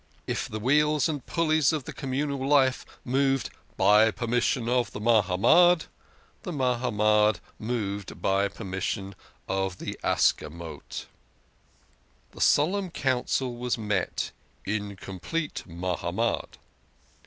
If the wheels and pulleys of the communal life moved " by per mission of the Mahamad," the Mahamad moved by permis sion of the Ascamot. The Solemn Council was met "in complete Mahamad."